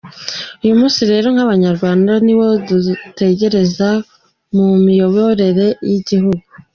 Uyu munsi rero nk’abanyarwanda ni uwo gutekereza ku miyoborere y’igihugu